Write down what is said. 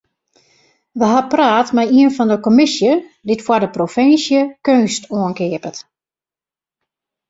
We ha praat mei ien fan de kommisje dy't foar de provinsje keunst oankeapet.